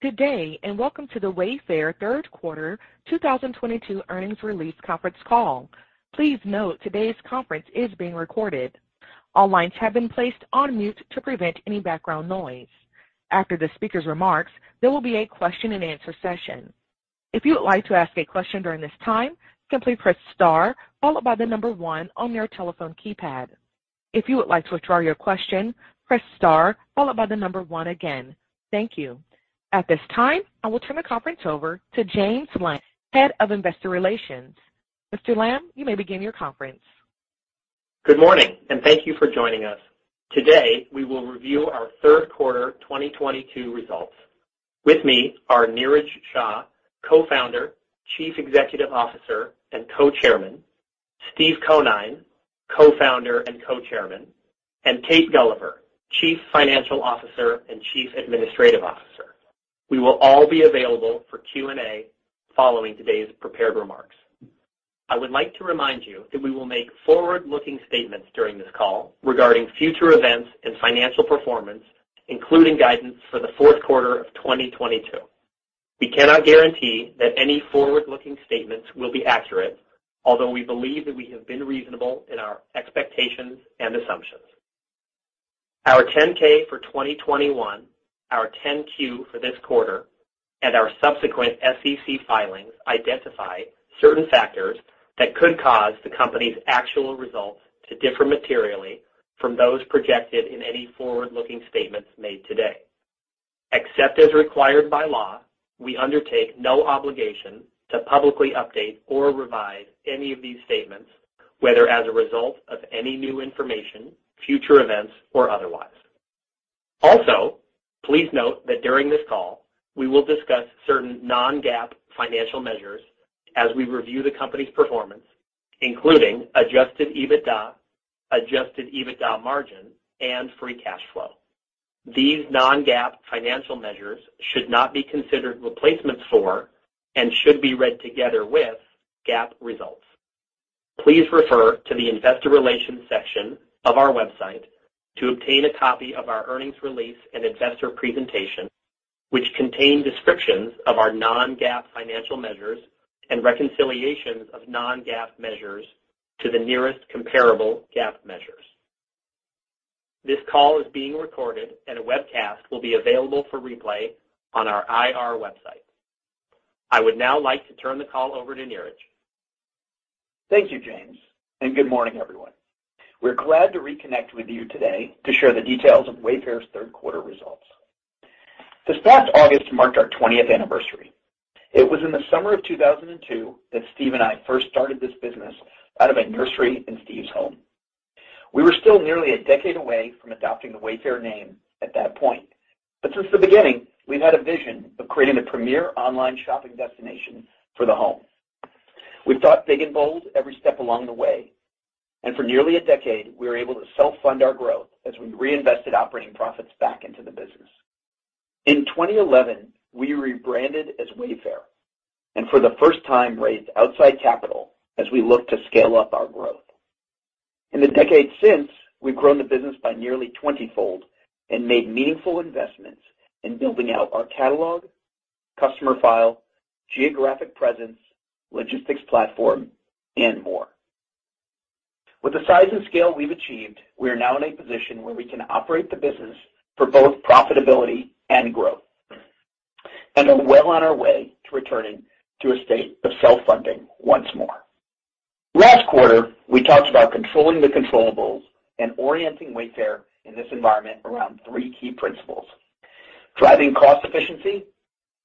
Good day, and welcome to the Wayfair Third Quarter 2022 Earnings Release Conference Call. Please note today's conference is being recorded. All lines have been placed on mute to prevent any background noise. After the speaker's remarks, there will be a question-and-answer session. If you would like to ask a question during this time, simply press star followed by the number one on your telephone keypad. If you would like to withdraw your question, press star followed by the number one again. Thank you. At this time, I will turn the conference over to James Lamb, Head of Investor Relations. Mr. Lamb, you may begin your conference. Good morning, and thank you for joining us. Today, we will review our third quarter 2022 results. With me are Niraj Shah, Co-Founder, Chief Executive Officer and Co-Chairman, Steve Conine, Co-Founder and Co-Chairman, and Kate Gulliver, Chief Financial Officer and Chief Administrative Officer. We will all be available for Q&A following today's prepared remarks. I would like to remind you that we will make forward-looking statements during this call regarding future events and financial performance, including guidance for the fourth quarter of 2022. We cannot guarantee that any forward-looking statements will be accurate, although we believe that we have been reasonable in our expectations and assumptions. Our 10-K for 2021, our 10-Q for this quarter, and our subsequent SEC filings identify certain factors that could cause the company's actual results to differ materially from those projected in any forward-looking statements made today. Except as required by law, we undertake no obligation to publicly update or revise any of these statements, whether as a result of any new information, future events or otherwise. Also, please note that during this call, we will discuss certain non-GAAP financial measures as we review the company's performance, including adjusted EBITDA, adjusted EBITDA margin, and free cash flow. These non-GAAP financial measures should not be considered replacements for and should be read together with GAAP results. Please refer to the Investor Relations section of our website to obtain a copy of our earnings release and investor presentation, which contain descriptions of our non-GAAP financial measures and reconciliations of non-GAAP measures to the nearest comparable GAAP measures. This call is being recorded and a webcast will be available for replay on our IR website. I would now like to turn the call over to Niraj. Thank you, James, and good morning, everyone. We're glad to reconnect with you today to share the details of Wayfair's third quarter results. This past August marked our 20th anniversary. It was in the summer of 2002 that Steve and I first started this business out of a nursery in Steve's home. We were still nearly a decade away from adopting the Wayfair name at that point. Since the beginning, we've had a vision of creating a premier online shopping destination for the home. We thought big and bold every step along the way, and for nearly a decade, we were able to self-fund our growth as we reinvested operating profits back into the business. In 2011, we rebranded as Wayfair, and for the first time, raised outside capital as we look to scale up our growth. In the decades since, we've grown the business by nearly 20-fold and made meaningful investments in building out our catalog, customer file, geographic presence, logistics platform, and more. With the size and scale we've achieved, we are now in a position where we can operate the business for both profitability and growth, and are well on our way to returning to a state of self-funding once more. Last quarter, we talked about controlling the controllables and orienting Wayfair in this environment around three key principles, driving cost efficiency,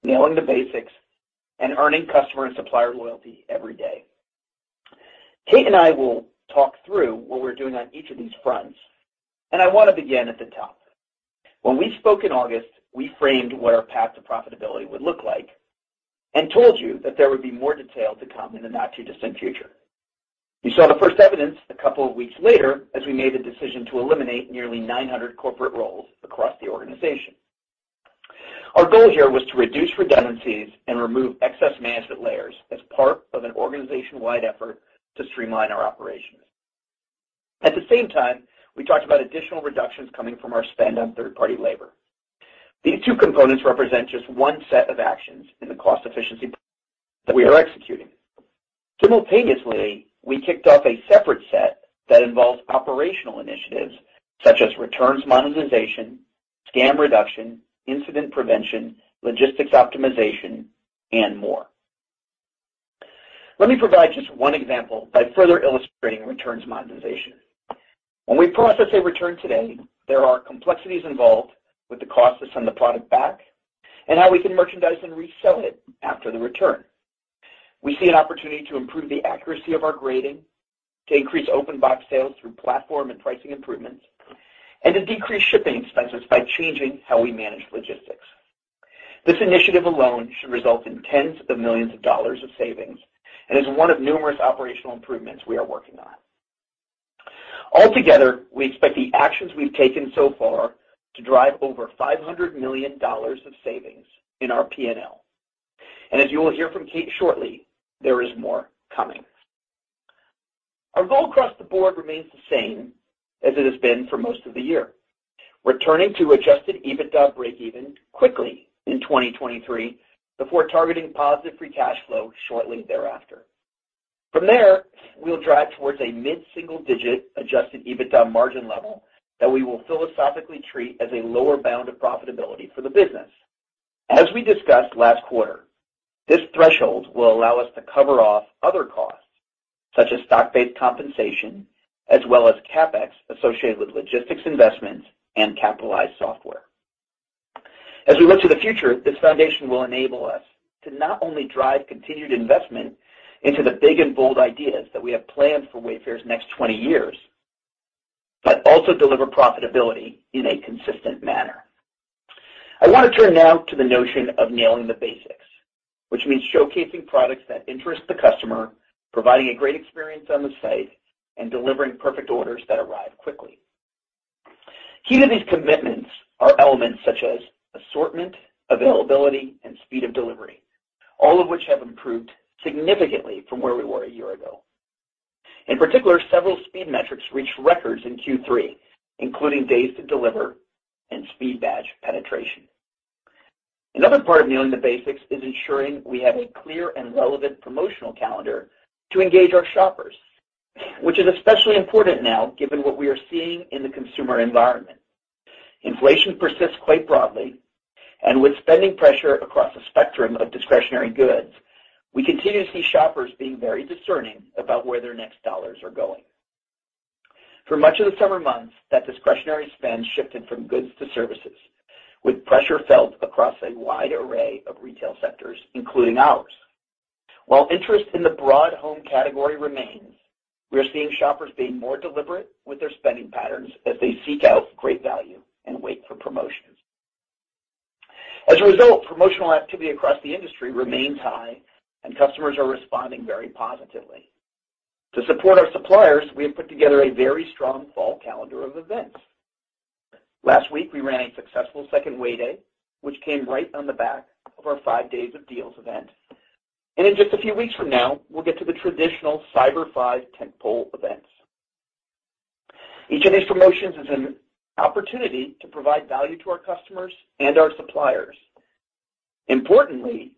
nailing the basics, and earning customer and supplier loyalty every day. Kate and I will talk through what we're doing on each of these fronts, and I want to begin at the top. When we spoke in August, we framed what our path to profitability would look like and told you that there would be more detail to come in the not-too-distant future. You saw the first evidence a couple of weeks later as we made the decision to eliminate nearly 900 corporate roles across the organization. Our goal here was to reduce redundancies and remove excess management layers as part of an organization-wide effort to streamline our operations. At the same time, we talked about additional reductions coming from our spend on third-party labor. These two components represent just one set of actions in the cost efficiency that we are executing. Simultaneously, we kicked off a separate set that involves operational initiatives such as returns monetization, scam reduction, incident prevention, logistics optimization, and more. Let me provide just one example by further illustrating returns monetization. When we process a return today, there are complexities involved with the cost to send the product back and how we can merchandise and resell it after the return. We see an opportunity to improve the accuracy of our grading, to increase open box sales through platform and pricing improvements, and to decrease shipping expenses by changing how we manage logistics. This initiative alone should result in tens of millions of dollars of savings and is one of numerous operational improvements we are working on. Altogether, we expect the actions we've taken so far to drive over $500 million of savings in our P&L. As you will hear from Kate shortly, there is more coming. Our goal across the board remains the same as it has been for most of the year, returning to adjusted EBITDA breakeven quickly in 2023 before targeting positive free cash flow shortly thereafter. From there, we'll drive towards a mid-single-digit adjusted EBITDA margin level that we will philosophically treat as a lower bound of profitability for the business. As we discussed last quarter, this threshold will allow us to cover off other costs such as stock-based compensation as well as CapEx associated with logistics investments and capitalized software. As we look to the future, this foundation will enable us to not only drive continued investment into the big and bold ideas that we have planned for Wayfair's next 20 years, but also deliver profitability in a consistent manner. I want to turn now to the notion of nailing the basics, which means showcasing products that interest the customer, providing a great experience on the site, and delivering perfect orders that arrive quickly. Key to these commitments are elements such as assortment, availability, and speed of delivery, all of which have improved significantly from where we were a year ago. In particular, several speed metrics reached records in Q3, including days to deliver and speed badge penetration. Another part of nailing the basics is ensuring we have a clear and relevant promotional calendar to engage our shoppers, which is especially important now given what we are seeing in the consumer environment. Inflation persists quite broadly, and with spending pressure across a spectrum of discretionary goods, we continue to see shoppers being very discerning about where their next dollars are going. For much of the summer months, that discretionary spend shifted from goods to services, with pressure felt across a wide array of retail sectors, including ours. While interest in the broad home category remains, we are seeing shoppers being more deliberate with their spending patterns as they seek out great value and wait for promotions. As a result, promotional activity across the industry remains high and customers are responding very positively. To support our suppliers, we have put together a very strong fall calendar of events. Last week, we ran a successful second Way Day, which came right on the back of our Five Days of Deals event. In just a few weeks from now, we'll get to the traditional Cyber 5 tentpole events. Each of these promotions is an opportunity to provide value to our customers and our suppliers, importantly,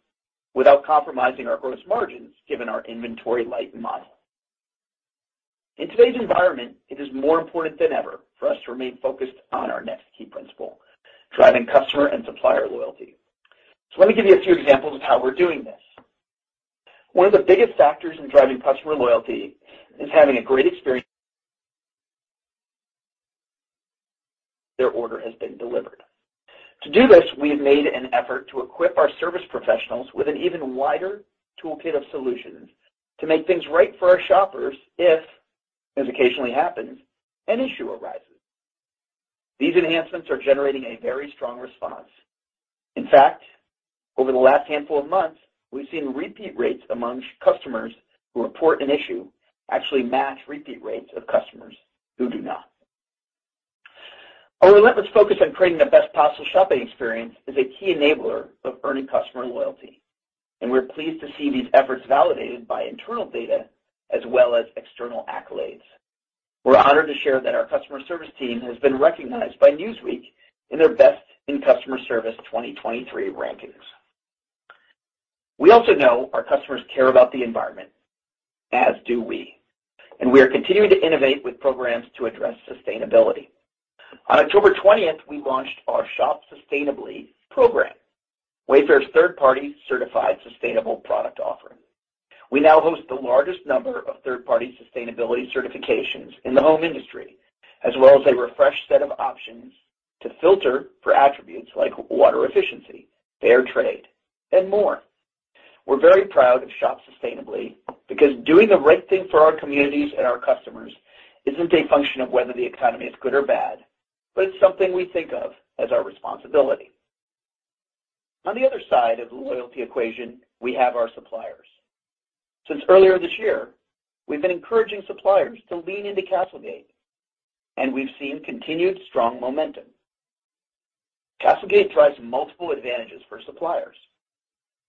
without compromising our gross margins, given our inventory-light model. In today's environment, it is more important than ever for us to remain focused on our next key principle, driving customer and supplier loyalty. Let me give you a few examples of how we're doing this. One of the biggest factors in driving customer loyalty is having a great experience when their order has been delivered. To do this, we have made an effort to equip our service professionals with an even wider toolkit of solutions to make things right for our shoppers if, as occasionally happens, an issue arises. These enhancements are generating a very strong response. In fact, over the last handful of months, we've seen repeat rates among customers who report an issue actually match repeat rates of customers who do not. Our relentless focus on creating the best possible shopping experience is a key enabler of earning customer loyalty, and we're pleased to see these efforts validated by internal data as well as external accolades. We're honored to share that our customer service team has been recognized by Newsweek in their America's Best Customer Service 2023 rankings. We also know our customers care about the environment, as do we, and we are continuing to innovate with programs to address sustainability. On October 20th, we launched our Shop Sustainably program, Wayfair's third-party certified sustainable product offering. We now host the largest number of third-party sustainability certifications in the home industry, as well as a refreshed set of options to filter for attributes like water efficiency, fair trade, and more. We're very proud of Shop Sustainably because doing the right thing for our communities and our customers isn't a function of whether the economy is good or bad, but it's something we think of as our responsibility. On the other side of the loyalty equation, we have our suppliers. Since earlier this year, we've been encouraging suppliers to lean into CastleGate, and we've seen continued strong momentum. CastleGate drives multiple advantages for suppliers,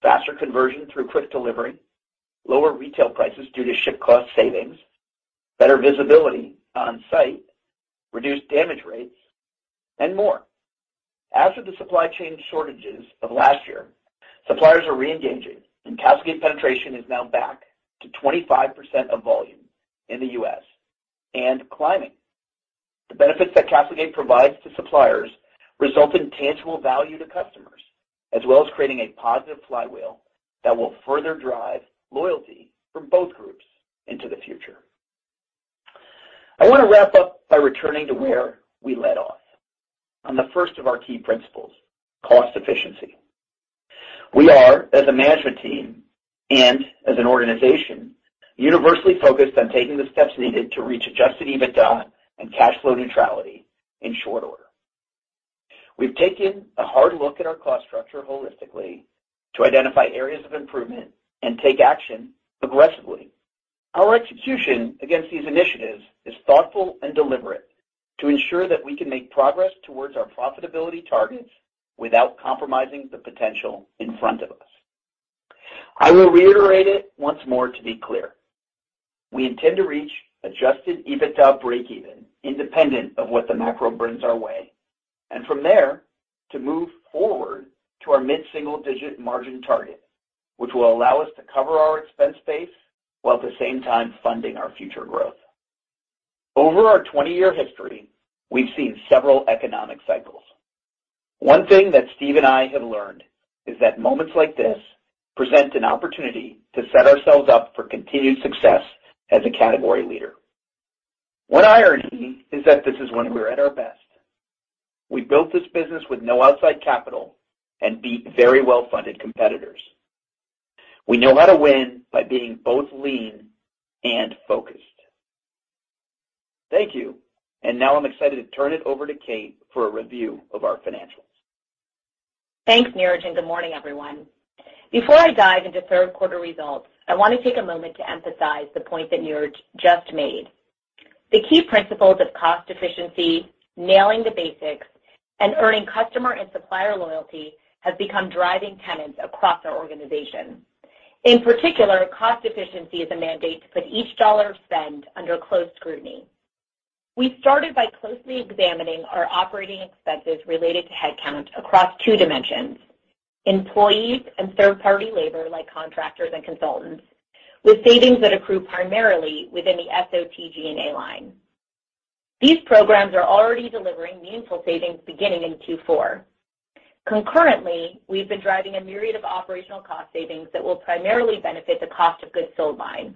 faster conversion through quick delivery, lower retail prices due to shipping cost savings, better visibility on site, reduced damage rates, and more. After the supply chain shortages of last year, suppliers are reengaging, and CastleGate penetration is now back to 25% of volume in the U.S. and climbing. The benefits that CastleGate provides to suppliers result in tangible value to customers, as well as creating a positive flywheel that will further drive loyalty from both groups into the future. I want to wrap up by returning to where we led off, on the first of our key principles, cost efficiency. We are, as a management team and as an organization, universally focused on taking the steps needed to reach adjusted EBITDA and cash flow neutrality in short order. We've taken a hard look at our cost structure holistically to identify areas of improvement and take action aggressively. Our execution against these initiatives is thoughtful and deliberate to ensure that we can make progress towards our profitability targets without compromising the potential in front of us. I will reiterate it once more to be clear. We intend to reach adjusted EBITDA breakeven independent of what the macro brings our way, and from there, to move forward to our mid-single-digit margin target, which will allow us to cover our expense base while at the same time funding our future growth. Over our 20-year history, we've seen several economic cycles. One thing that Steve and I have learned is that moments like this present an opportunity to set ourselves up for continued success as a category leader. One irony is that this is when we're at our best. We built this business with no outside capital and beat very well-funded competitors. We know how to win by being both lean and focused. Thank you. Now I'm excited to turn it over to Kate for a review of our financials. Thanks, Niraj, and good morning, everyone. Before I dive into third quarter results, I want to take a moment to emphasize the point that Niraj just made. The key principles of cost efficiency, nailing the basics, and earning customer and supplier loyalty have become driving tenets across our organization. In particular, cost efficiency is a mandate to put each dollar spent under close scrutiny. We started by closely examining our operating expenses related to headcount across two dimensions, employees and third-party labor, like contractors and consultants, with savings that accrue primarily within the SOTG&A line. These programs are already delivering meaningful savings beginning in Q4. Concurrently, we've been driving a myriad of operational cost savings that will primarily benefit the cost of goods sold line.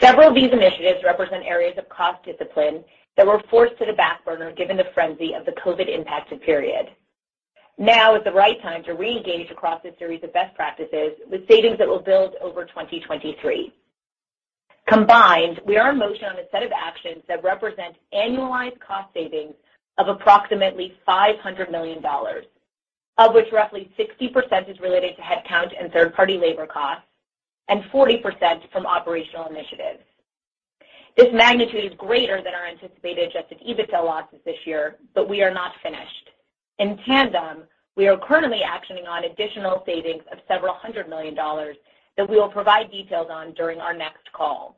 Several of these initiatives represent areas of cost discipline that were forced to the back burner given the frenzy of the COVID-impacted period. Now is the right time to reengage across a series of best practices with savings that will build over 2023. Combined, we are in motion on a set of actions that represent annualized cost savings of approximately $500 million, of which roughly 60% is related to headcount and third-party labor costs and 40% from operational initiatives. This magnitude is greater than our anticipated adjusted EBITDA losses this year, but we are not finished. In tandem, we are currently actioning on additional savings of several hundred million dollars that we will provide details on during our next call.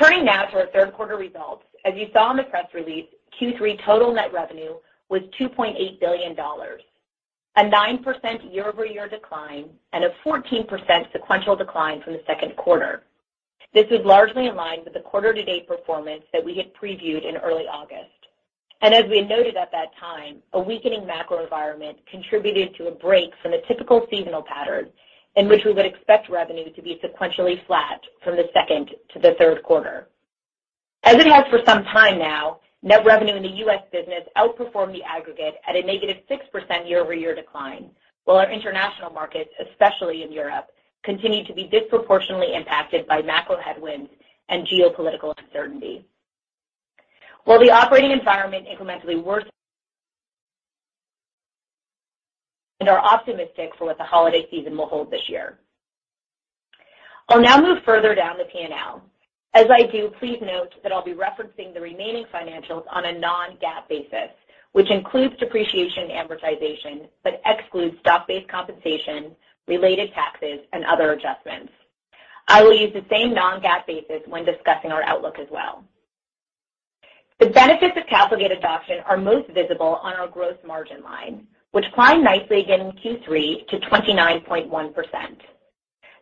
Turning now to our third quarter results. As you saw in the press release, Q3 total net revenue was $2.8 billion, a 9% year-over-year decline, and a 14% sequential decline from the second quarter. This is largely in line with the quarter to date performance that we had previewed in early August. As we noted at that time, a weakening macro environment contributed to a break from the typical seasonal pattern in which we would expect revenue to be sequentially flat from the second to the third quarter. As it has for some time now, net revenue in the U.S. business outperformed the aggregate at a negative 6% year-over-year decline, while our international markets, especially in Europe, continued to be disproportionately impacted by macro headwinds and geopolitical uncertainty. While the operating environment incrementally worsens and we are optimistic for what the holiday season will hold this year. I'll now move further down the P&L. As I do, please note that I'll be referencing the remaining financials on a non-GAAP basis, which includes depreciation and amortization, but excludes stock-based compensation, related taxes, and other adjustments. I will use the same non-GAAP basis when discussing our outlook as well. The benefits of CastleGate adoption are most visible on our gross margin line, which climbed nicely again in Q3 to 29.1%.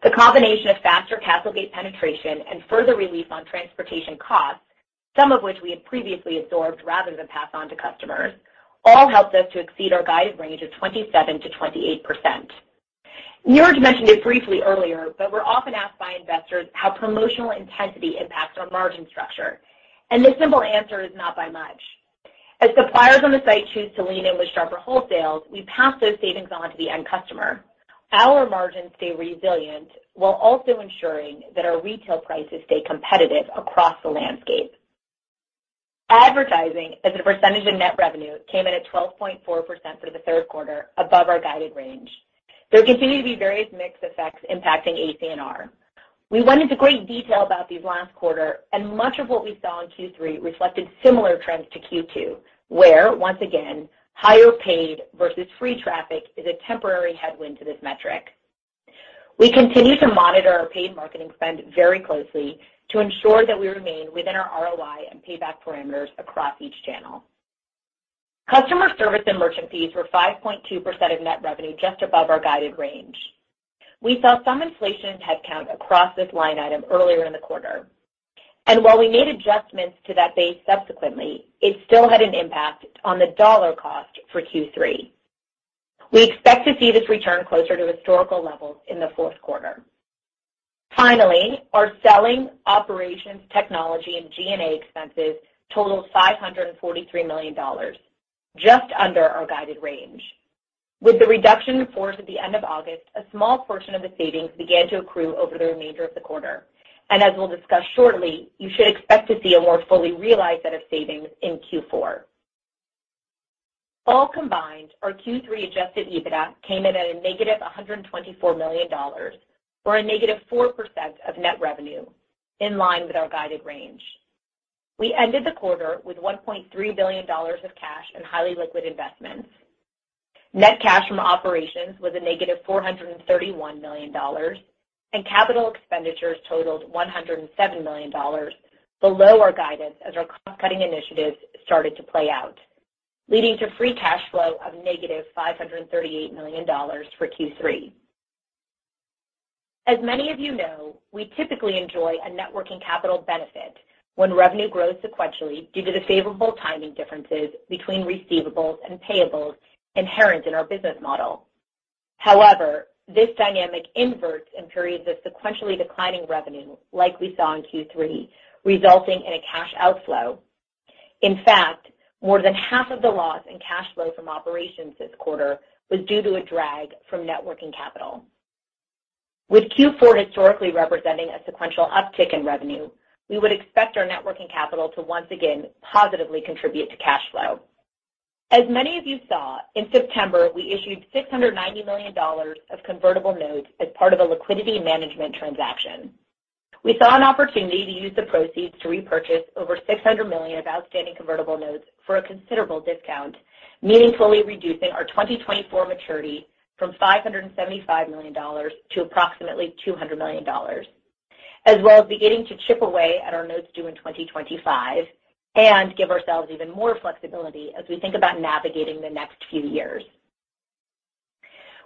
The combination of faster CastleGate penetration and further relief on transportation costs, some of which we had previously absorbed rather than pass on to customers, all helped us to exceed our guided range of 27%-28%. Niraj mentioned it briefly earlier, but we're often asked by investors how promotional intensity impacts our margin structure, and the simple answer is not by much. As suppliers on the site choose to lean in with sharper wholesales, we pass those savings on to the end customer. Our margins stay resilient while also ensuring that our retail prices stay competitive across the landscape. Advertising as a percentage of net revenue came in at 12.4% for the third quarter above our guided range. There continue to be various mixed effects impacting ACNR. We went into great detail about these last quarter, and much of what we saw in Q3 reflected similar trends to Q2, where once again, higher paid versus free traffic is a temporary headwind to this metric. We continue to monitor our paid marketing spend very closely to ensure that we remain within our ROI and payback parameters across each channel. Customer service and merchant fees were 5.2% of net revenue just above our guided range. We saw some inflation in headcount across this line item earlier in the quarter. While we made adjustments to that base subsequently, it still had an impact on the dollar cost for Q3. We expect to see this return closer to historical levels in the fourth quarter. Finally, our selling, operations, technology, and G&A expenses totaled $543 million, just under our guided range. With the reduction in force at the end of August, a small portion of the savings began to accrue over the remainder of the quarter. As we'll discuss shortly, you should expect to see a more fully realized set of savings in Q4. All combined, our Q3 adjusted EBITDA came in at -$124 million or negative 4% of net revenue, in line with our guided range. We ended the quarter with $1.3 billion of cash and highly liquid investments. Net cash from operations was -$431 million, and capital expenditures totaled $107 million, below our guidance, as our cost-cutting initiatives started to play out, leading to free cash flow of -$538 million for Q3. As many of you know, we typically enjoy a working capital benefit when revenue grows sequentially due to the favorable timing differences between receivables and payables inherent in our business model. However, this dynamic inverts in periods of sequentially declining revenue like we saw in Q3, resulting in a cash outflow. In fact, more than half of the loss in cash flow from operations this quarter was due to a drag from working capital. With Q4 historically representing a sequential uptick in revenue, we would expect our working capital to once again positively contribute to cash flow. As many of you saw, in September, we issued $690 million of convertible notes as part of a liquidity management transaction. We saw an opportunity to use the proceeds to repurchase over $600 million of outstanding convertible notes for a considerable discount, meaningfully reducing our 2024 maturity from $575 million to approximately $200 million. As well as beginning to chip away at our notes due in 2025 and give ourselves even more flexibility as we think about navigating the next few years.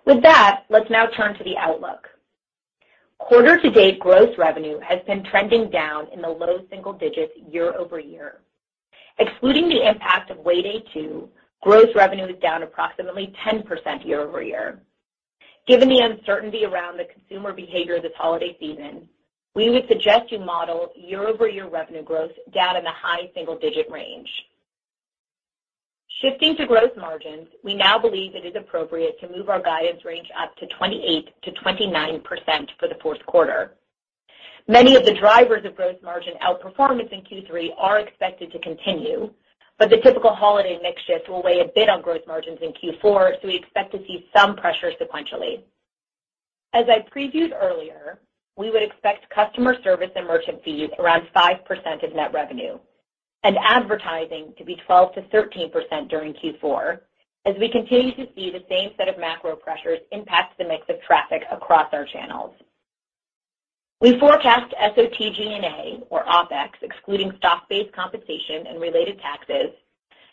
With that, let's now turn to the outlook. Quarter to date gross revenue has been trending down in the low single digits year-over-year. Excluding the impact of Way Day 2, gross revenue is down approximately 10% year-over-year. Given the uncertainty around the consumer behavior this holiday season, we would suggest you model year-over-year revenue growth down in the high single-digit range. Shifting to gross margins, we now believe it is appropriate to move our guidance range up to 28%-29% for the fourth quarter. Many of the drivers of gross margin outperformance in Q3 are expected to continue, but the typical holiday mix shift will weigh a bit on gross margins in Q4, so we expect to see some pressure sequentially. As I previewed earlier, we would expect customer service and merchant fees around 5% of net revenue and advertising to be 12%-13% during Q4 as we continue to see the same set of macro pressures impact the mix of traffic across our channels. We forecast SOTG&A or OpEx, excluding stock-based compensation and related taxes,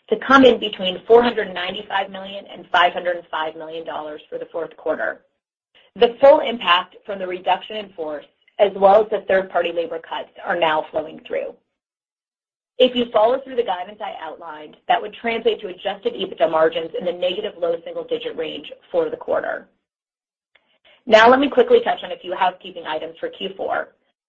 to come in between $495 million and $505 million for the fourth quarter. The full impact from the reduction in force, as well as the third-party labor cuts, are now flowing through. If you follow through the guidance I outlined, that would translate to adjusted EBITDA margins in the negative low single-digit range for the quarter. Now let me quickly touch on a few housekeeping items for Q4.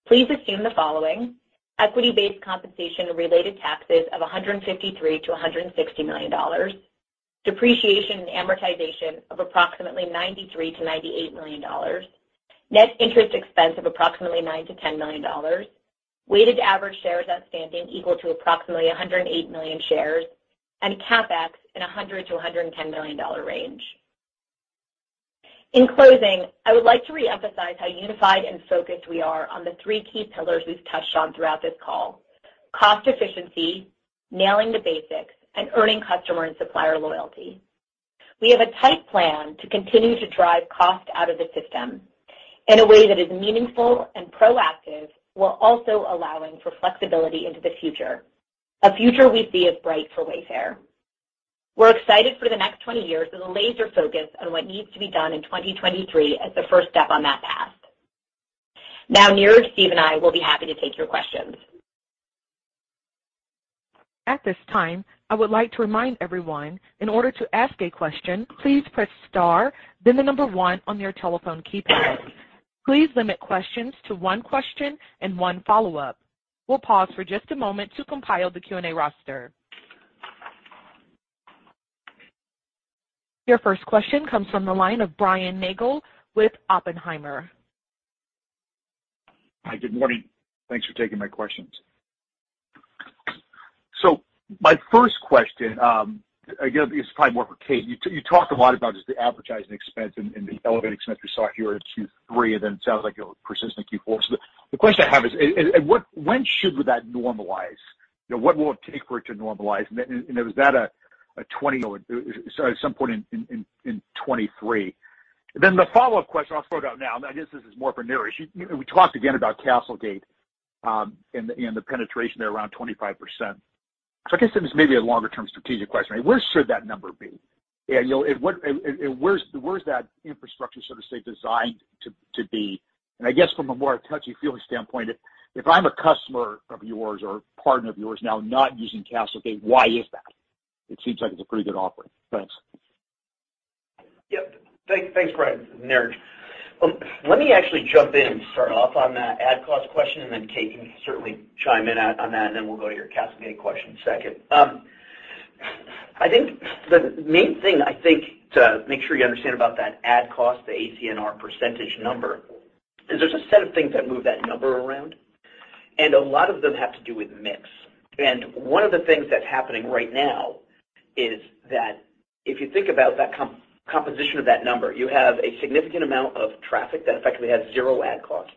Please assume the following. Equity-based compensation related taxes of $153 million-$160 million. Depreciation and amortization of approximately $93 million-$98 million. Net interest expense of approximately $9 million-$10 million. Weighted average shares outstanding equal to approximately 108 million shares. CapEx in a $100 million-$110 million range. In closing, I would like to reemphasize how unified and focused we are on the three key pillars we've touched on throughout this call, cost efficiency, nailing the basics, and earning customer and supplier loyalty. We have a tight plan to continue to drive cost out of the system in a way that is meaningful and proactive, while also allowing for flexibility into the future, a future we see as bright for Wayfair. We're excited for the next 20 years with a laser focus on what needs to be done in 2023 as the first step on that path. Now, Niraj, Steve, and I will be happy to take your questions. At this time, I would like to remind everyone, in order to ask a question, please press star, then the number one on your telephone keypad. Please limit questions to one question and one follow-up. We'll pause for just a moment to compile the Q&A roster. Your first question comes from the line of Brian Nagel with Oppenheimer. Hi, good morning. Thanks for taking my questions. My first question, again, it's probably more for Kate. You talked a lot about just the advertising expense and the elevated expense we saw here in Q3, and then it sounds like it'll persist into Q4. The question I have is, when should that normalize? You know, what will it take for it to normalize? And is that in 2022 or at some point in 2023? The follow-up question, I'll throw it out now. I guess this is more for Niraj. You know, we talked again about CastleGate and the penetration there around 25%. I guess this is maybe a longer-term strategic question. Where should that number be? You know, where's that infrastructure, so to say, designed to be? I guess from a more touchy-feely standpoint, if I'm a customer of yours or partner of yours now not using CastleGate, why is that? It seems like it's a pretty good offering. Thanks. Yep. Thanks, Brian. Niraj. Let me actually jump in and start off on that ad cost question, and then Kate, you can certainly chime in on that, and then we'll go to your CastleGate question second. I think the main thing I think to make sure you understand about that ad cost, the ACNR percentage number, is there's a set of things that move that number around, and a lot of them have to do with mix. One of the things that's happening right now. If you think about that composition of that number, you have a significant amount of traffic that effectively has zero ad cost.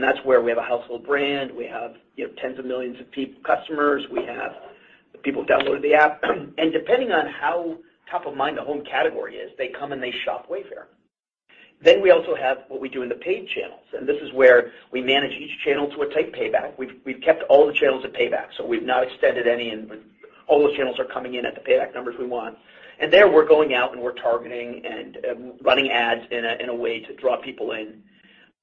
That's where we have a household brand. We have, you know, tens of millions of customers. We have the people downloaded the app. Depending on how top of mind the home category is, they come and they shop Wayfair. We also have what we do in the paid channels, and this is where we manage each channel to a tight payback. We've kept all the channels at payback, so we've not extended any, and all those channels are coming in at the payback numbers we want. There we're going out, and we're targeting and running ads in a way to draw people in.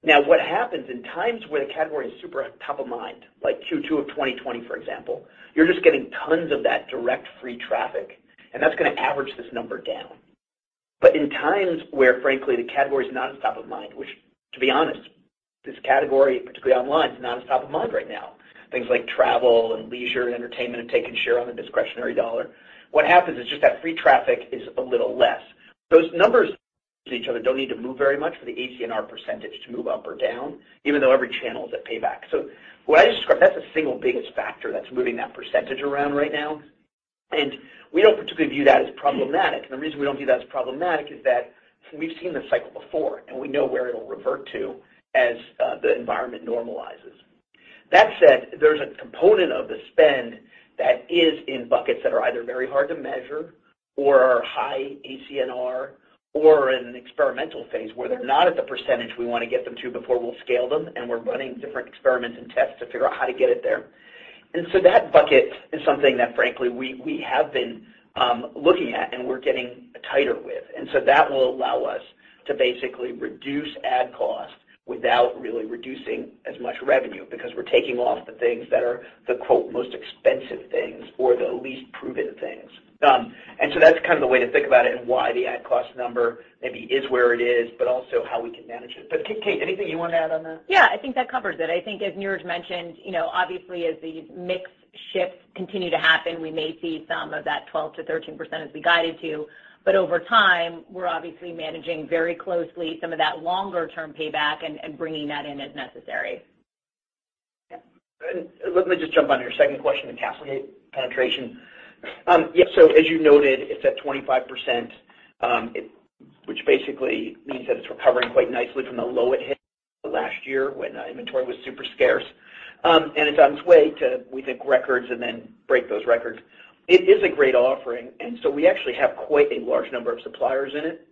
What happens in times when a category is super top of mind, like Q2 of 2020, for example, you're just getting tons of that direct free traffic, and that's gonna average this number down. In times where frankly, the category is not at top of mind, which to be honest, this category, particularly online, is not as top of mind right now. Things like travel and leisure and entertainment have taken share on the discretionary dollar. What happens is just that free traffic is a little less. Those numbers to each other don't need to move very much for the ACNR percentage to move up or down, even though every channel is at payback. What I just described, that's the single biggest factor that's moving that percentage around right now, and we don't particularly view that as problematic. The reason we don't view that as problematic is that we've seen this cycle before, and we know where it'll revert to as the environment normalizes. That said, there's a component of the spend that is in buckets that are either very hard to measure or are high ACNR or in an experimental phase where they're not at the percentage we wanna get them to before we'll scale them, and we're running different experiments and tests to figure out how to get it there. That bucket is something that frankly we have been looking at and we're getting tighter with. That will allow us to basically reduce ad costs without really reducing as much revenue because we're taking off the things that are the, quote, "most expensive things" or the least proven things. that's kind of the way to think about it and why the ad cost number maybe is where it is, but also how we can manage it. Kate, anything you wanna add on that? Yeah, I think that covers it. I think as Niraj mentioned, you know, obviously as these mix shifts continue to happen, we may see some of that 12%-13% as we guided to. Over time, we're obviously managing very closely some of that longer term payback and bringing that in as necessary. Yeah. Let me just jump on your second question on CastleGate penetration. As you noted, it's at 25%, which basically means that it's recovering quite nicely from the low it hit last year when inventory was super scarce. It's on its way to, we think, records and then break those records. It is a great offering, and so we actually have quite a large number of suppliers in it.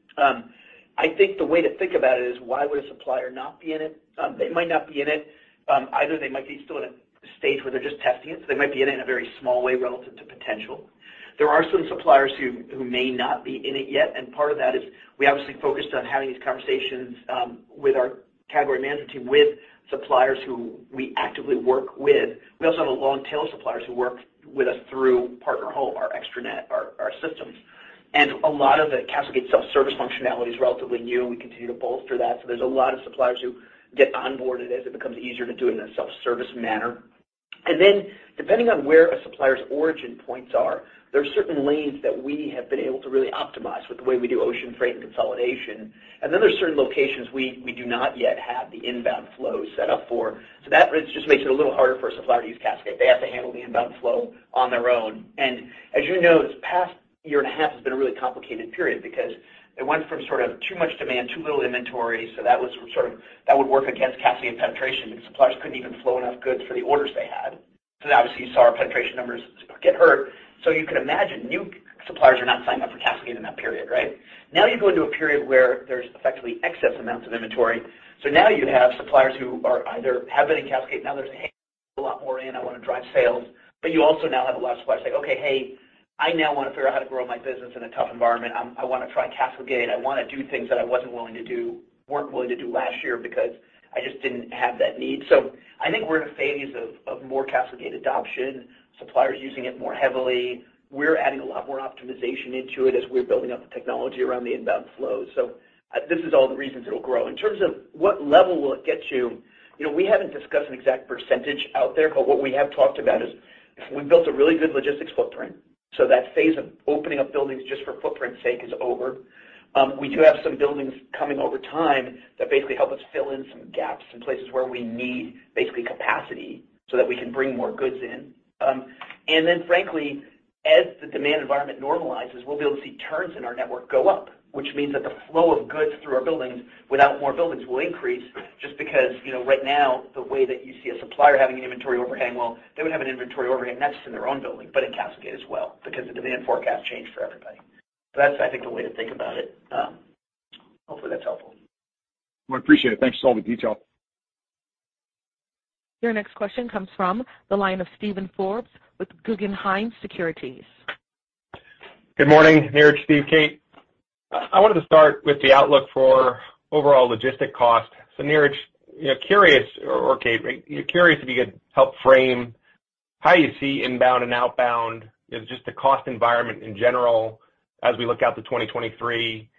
I think the way to think about it is why would a supplier not be in it? They might not be in it, either they might be still in a stage where they're just testing it, so they might be in it in a very small way relative to potential. There are some suppliers who may not be in it yet, and part of that is we obviously focused on having these conversations with our category management team, with suppliers who we actively work with. We also have a long tail of suppliers who work with us through Partner Home, our extranet, our systems. A lot of the CastleGate self-service functionality is relatively new, and we continue to bolster that. There's a lot of suppliers who get onboarded as it becomes easier to do it in a self-service manner. Depending on where a supplier's origin points are, there are certain lanes that we have been able to really optimize with the way we do ocean freight and consolidation. There's certain locations we do not yet have the inbound flow set up for. That just makes it a little harder for a supplier to use CastleGate. They have to handle the inbound flow on their own. As you know, this past year and a half has been a really complicated period because it went from sort of too much demand, too little inventory. That would work against CastleGate penetration because suppliers couldn't even flow enough goods for the orders they had. Obviously you saw our penetration numbers get hurt. You could imagine new suppliers are not signing up for CastleGate in that period, right? Now you go into a period where there's effectively excess amounts of inventory. Now you have suppliers who either have been in CastleGate, now they're saying, "Hey, a lot more in. I wanna drive sales." You also now have a lot of suppliers saying, "Okay, hey, I now wanna figure out how to grow my business in a tough environment. I wanna try CastleGate. I wanna do things that I wasn't willing to do last year because I just didn't have that need." I think we're in a phase of more CastleGate adoption, suppliers using it more heavily. We're adding a lot more optimization into it as we're building out the technology around the inbound flow. This is all the reasons it'll grow. In terms of what level will it get to, you know, we haven't discussed an exact percentage out there, but what we have talked about is we built a really good logistics footprint, so that phase of opening up buildings just for footprint sake is over. We do have some buildings coming over time that basically help us fill in some gaps in places where we need basically capacity so that we can bring more goods in. Frankly, as the demand environment normalizes, we'll be able to see turns in our network go up, which means that the flow of goods through our buildings without more buildings will increase just because, you know, right now the way that you see a supplier having an inventory overhang, well, they would have an inventory overhang that's in their own building, but in CastleGate as well, because the demand forecast changed for everybody. That's, I think, the way to think about it. Hopefully, that's helpful. Well, I appreciate it. Thanks for all the detail. Your next question comes from the line of Steven Forbes with Guggenheim Securities. Good morning, Niraj, Steve, Kate. I wanted to start with the outlook for overall logistics cost. Niraj, you know, or Kate, curious if you could help frame how you see inbound and outbound, you know, just the cost environment in general as we look out to 2023,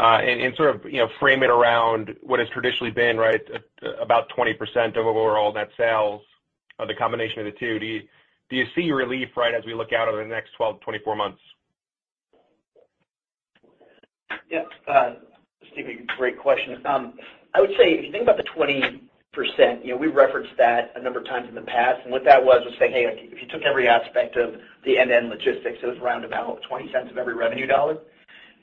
and sort of, you know, frame it around what has traditionally been, right, about 20% of overall net sales or the combination of the two. Do you see relief, right, as we look out over the next 12-24 months? Yeah, Steven, great question. I would say if you think about the 20%, you know, we referenced that a number of times in the past, and what that was was saying, "Hey, if you took every aspect of the end-to-end logistics, it was around $0.20 of every revenue dollar."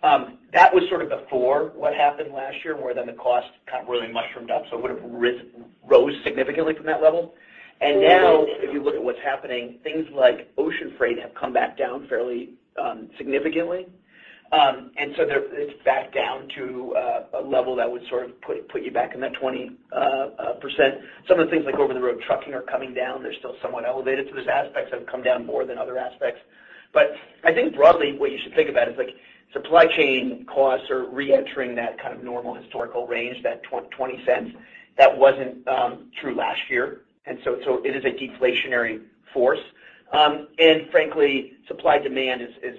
That was sort of before what happened last year, where then the cost kind of really mushroomed up, so it would have rose significantly from that level. Now if you look at what's happening, things like ocean freight have come back down fairly significantly. And so they're—it's back down to a level that would sort of put you back in that 20%. Some of the things like over-the-road trucking are coming down. They're still somewhat elevated, so there's aspects that have come down more than other aspects. I think broadly, what you should think about is like supply chain costs are reentering that kind of normal historical range, that $0.20. That wasn't true last year, so it is a deflationary force. Frankly, supply and demand is,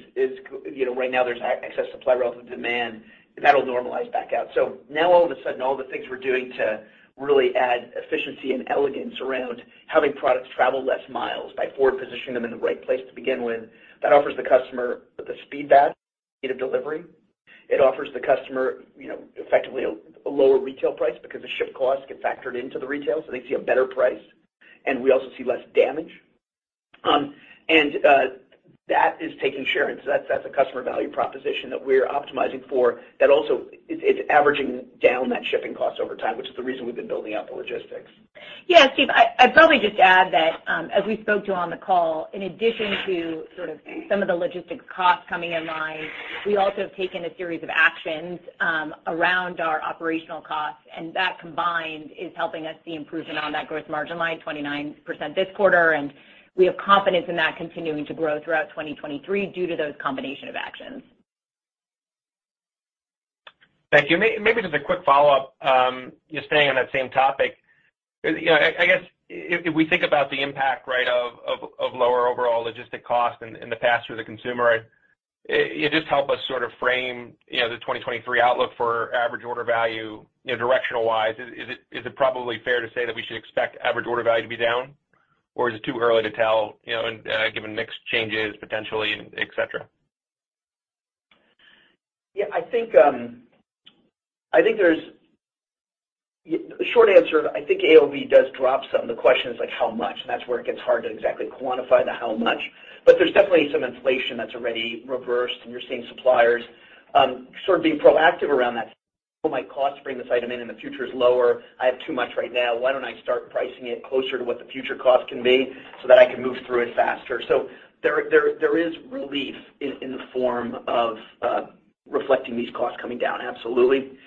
you know, right now there's excess supply relative demand, that'll normalize back out. Now all of a sudden, all the things we're doing to really add efficiency and elegance around having products travel less miles by forward positioning them in the right place to begin with, that offers the customer the speed of delivery. It offers the customer, you know, effectively a lower retail price because the shipping costs get factored into the retail, so they see a better price, and we also see less damage. That is taking share. That's a customer value proposition that we're optimizing for that also is. It's averaging down that shipping cost over time, which is the reason we've been building out the logistics. Yeah, Steven, I'd probably just add that, as we spoke to on the call, in addition to sort of some of the logistics costs coming in line, we also have taken a series of actions around our operational costs, and that combined is helping us see improvement on that gross margin line, 29% this quarter, and we have confidence in that continuing to grow throughout 2023 due to those combination of actions. Thank you. Maybe just a quick follow-up, just staying on that same topic. You know, I guess if we think about the impact, right, of lower overall logistics costs in the past for the consumer, it just help us sort of frame, you know, the 2023 outlook for average order value, you know, directional-wise. Is it probably fair to say that we should expect average order value to be down, or is it too early to tell, you know, and given mixed changes potentially and etc.? Yeah, I think there's short answer, I think AOV does drop some. The question is like how much, and that's where it gets hard to exactly quantify how much. There's definitely some inflation that's already reversed, and you're seeing suppliers sort of being proactive around that. My cost to bring this item in the future is lower. I have too much right now. Why don't I start pricing it closer to what the future cost can be so that I can move through it faster? There is relief in the form of reflecting these costs coming down, absolutely.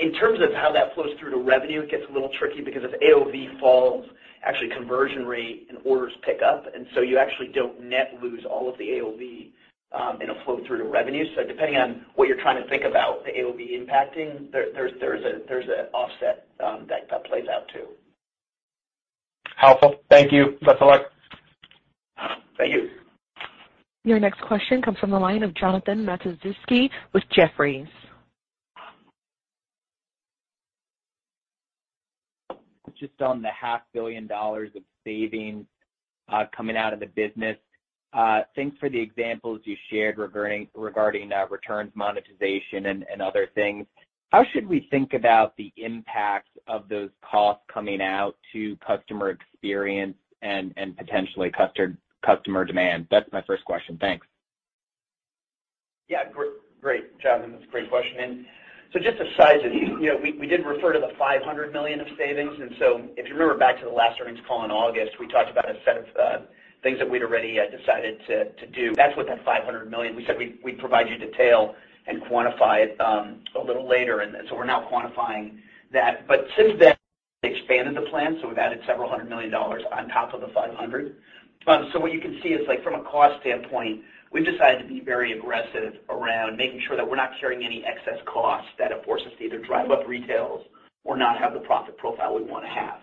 In terms of how that flows through to revenue, it gets a little tricky because if AOV falls, actually conversion rate and orders pick up, and so you actually don't net lose all of the AOV in a flow through to revenue. Depending on what you're trying to think about the AOV impacting, there's an offset that plays out too. Helpful. Thank you. Best of luck. Thank you. Your next question comes from the line of Jonathan Matuszewski with Jefferies. Just on the half billion dollars of savings coming out of the business, thanks for the examples you shared regarding returns monetization and other things. How should we think about the impact of those costs coming out to customer experience and potentially customer demand? That's my first question. Thanks. Yeah. Great, Jonathan. That's a great question. Just to size it, you know, we did refer to the $500 million of savings. If you remember back to the last earnings call in August, we talked about a set of things that we'd already decided to do. That's what that $500 million. We said we'd provide you detail and quantify it a little later, and so we're now quantifying that. Since then, expanded the plan, so we've added several hundred million dollars on top of the $500 million. What you can see is like from a cost standpoint, we've decided to be very aggressive around making sure that we're not carrying any excess costs that it forces us to either drive up retail or not have the profit profile we wanna have.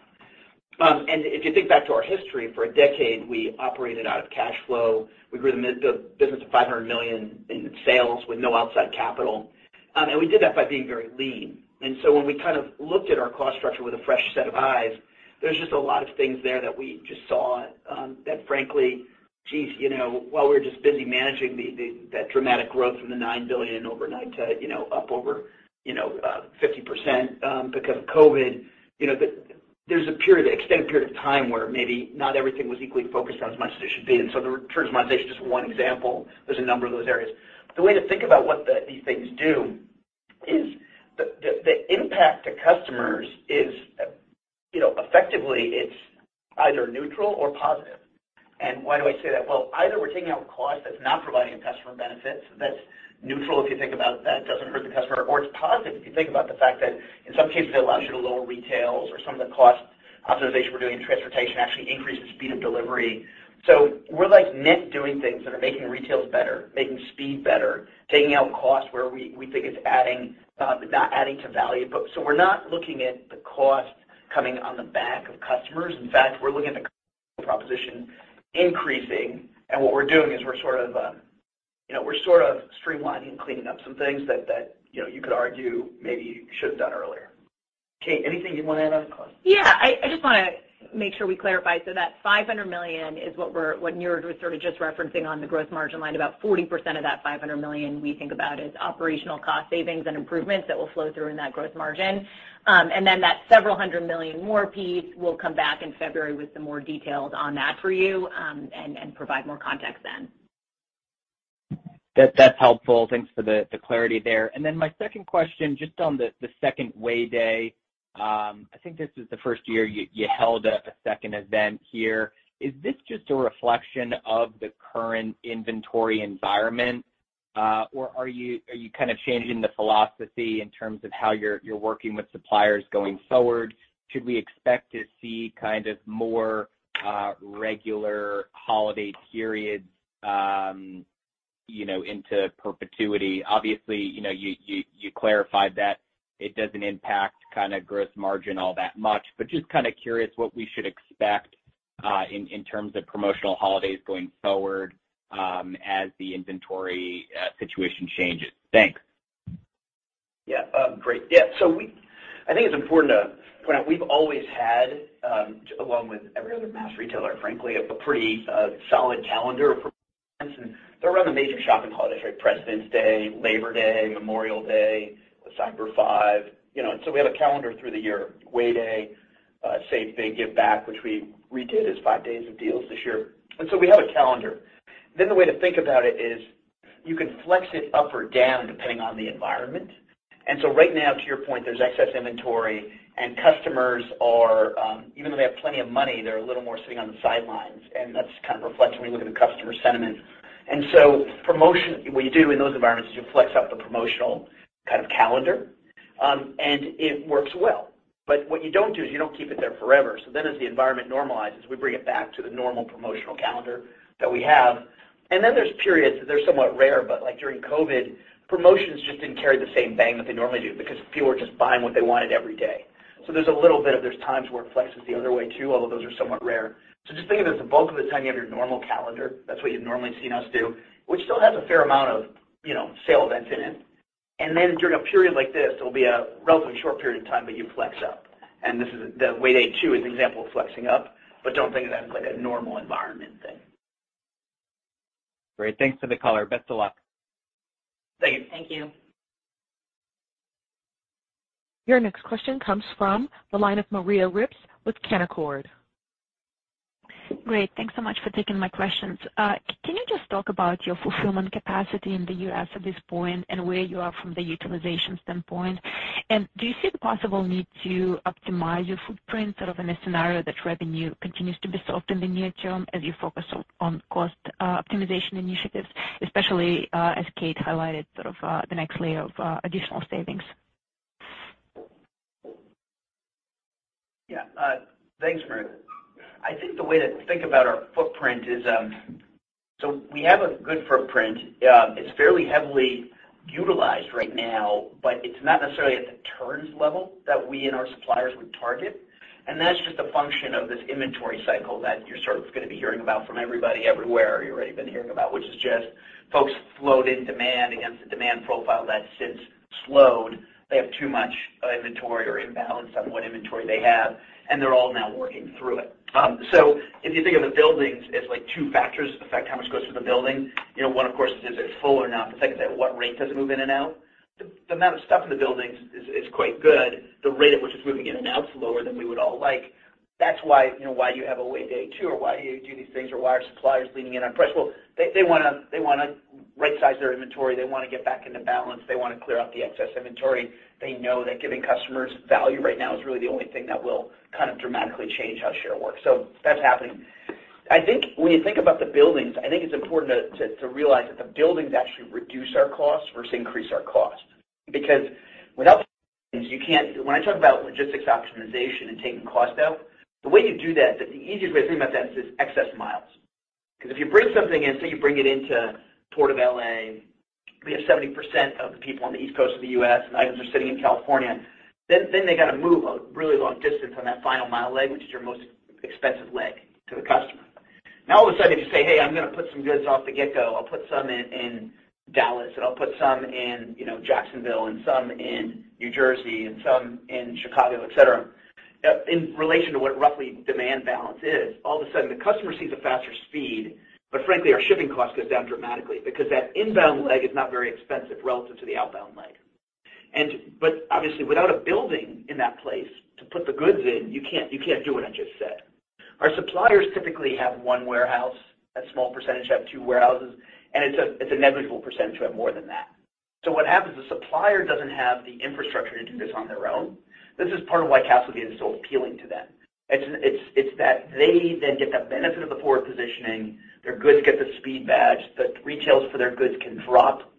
If you think back to our history, for a decade, we operated out of cash flow. We grew the business to $500 million in sales with no outside capital. We did that by being very lean. When we kind of looked at our cost structure with a fresh set of eyes, there's just a lot of things there that we just saw, that frankly, geez, you know, while we're just busy managing that dramatic growth from the $9 billion overnight to, you know, up over, you know, 50%, because of COVID, you know, there's a period, extended period of time where maybe not everything was equally focused on as much as it should be. The returns monetization is just one example. There's a number of those areas. The way to think about what these things do is the impact to customers is, you know, effectively it's either neutral or positive. Why do I say that? Well, either we're taking out cost that's not providing a customer benefit, that's neutral if you think about it, that doesn't hurt the customer, or it's positive if you think about the fact that in some cases, it allows you to lower retails or some of the cost optimization we're doing in transportation actually increase the speed of delivery. We're like net doing things that are making retails better, making speed better, taking out costs where we think it's not adding to value. We're not looking at the cost coming on the back of customers. In fact, we're looking at the proposition increasing, and what we're doing is we're sort of, you know, we're sort of streamlining and cleaning up some things that, you know, you could argue maybe you should have done earlier. Kate, anything you want to add on costs? Yeah, I just want to make sure we clarify. That $500 million is what Niraj was sort of just referencing on the gross margin line. About 40% of that $500 million we think about as operational cost savings and improvements that will flow through in that gross margin. That several hundred million more piece, we'll come back in February with some more details on that for you, and provide more context then. That's helpful. Thanks for the clarity there. Then my second question, just on the second Way Day. I think this is the first year you held a second event here. Is this just a reflection of the current inventory environment? Or are you kind of changing the philosophy in terms of how you're working with suppliers going forward? Should we expect to see kind of more regular holiday periods, you know, into perpetuity? Obviously, you know, you clarified that it doesn't impact kinda gross margin all that much, but just kinda curious what we should expect in terms of promotional holidays going forward, as the inventory situation changes. Thanks. Yeah. Great. Yeah. I think it's important to point out, we've always had, along with every other mass retailer, frankly, a pretty solid calendar of events. They're around the major shopping holidays, right? Presidents' Day, Labor Day, Memorial Day, Cyber 5. You know, we have a calendar through the year. Way Day, Save Big, Give Back, which we redid as Five Days of Deals this year. We have a calendar. The way to think about it is you can flex it up or down depending on the environment. Right now, to your point, there's excess inventory and customers are, even though they have plenty of money, they're a little more sitting on the sidelines, and that's kind of reflected when you look at the customer sentiment. What you do in those environments is you flex up the promotional kind of calendar, and it works well. What you don't do is you don't keep it there forever. As the environment normalizes, we bring it back to the normal promotional calendar that we have. There's periods, they're somewhat rare, but like during COVID, promotions just didn't carry the same bang that they normally do because people were just buying what they wanted every day. There's a little bit of times where it flexes the other way, too, although those are somewhat rare. Just think of it as the bulk of the time you have your normal calendar. That's what you've normally seen us do, which still has a fair amount of, you know, sale events in it. During a period like this, there'll be a relatively short period of time that you flex up. This is the Way Day 2 is an example of flexing up, but don't think of that as like a normal environment thing. Great. Thanks for the color. Best of luck. Thank you. Thank you. Your next question comes from the line of Maria Ripps with Canaccord. Great. Thanks so much for taking my questions. Can you just talk about your fulfillment capacity in the U.S. at this point and where you are from the utilization standpoint? Do you see the possible need to optimize your footprint, sort of in a scenario that revenue continues to be soft in the near term as you focus on cost optimization initiatives, especially as Kate highlighted, sort of the next layer of additional savings? Yeah. Thanks, Maria. I think the way to think about our footprint is, so we have a good footprint. It's fairly heavily utilized right now, but it's not necessarily at the turns level that we and our suppliers would target. That's just a function of this inventory cycle that you're sort of gonna be hearing about from everybody everywhere, you've already been hearing about, which is just folks loaded demand against the demand profile that's since slowed. They have too much inventory or imbalance on what inventory they have, and they're all now working through it. So if you think of the buildings as, like, two factors affect how much goes through the building, you know, one, of course, is it full or not? The second is at what rate does it move in and out? The amount of stuff in the buildings is quite good. The rate at which it's moving in and out is lower than we would all like. That's why, you know, why you have a Way Day 2, or why you do these things, or why our suppliers leaning in on price. Well, they wanna right-size their inventory. They wanna get back into balance. They wanna clear out the excess inventory. They know that giving customers value right now is really the only thing that will kind of dramatically change how share works. So that's happening. I think when you think about the buildings, I think it's important to realize that the buildings actually reduce our costs versus increase our costs. Because without buildings, you can't. When I talk about logistics optimization and taking cost out, the way you do that, the easiest way to think about that is excess miles. 'Cause if you bring something in, say you bring it into Port of L.A., we have 70% of the people on the East Coast of the U.S., and items are sitting in California, then they gotta move a really long distance on that final mile leg, which is your most expensive leg to the customer. Now, all of a sudden, you say, "Hey, I'm gonna put some goods off the get-go. I'll put some in Dallas, and I'll put some in, you know, Jacksonville, and some in New Jersey, and some in Chicago, etc.," in relation to what roughly demand balance is. All of a sudden, the customer sees a faster speed, but frankly, our shipping cost goes down dramatically because that inbound leg is not very expensive relative to the outbound leg. Obviously, without a building in that place to put the goods in, you can't do what I just said. Our suppliers typically have one warehouse. A small percentage have two warehouses, and it's a negligible percentage who have more than that. What happens, the supplier doesn't have the infrastructure to do this on their own. This is part of why CastleGate is so appealing to them. It's that they then get the benefit of the forward positioning. Their goods get the speed badge. The retail for their goods can drop.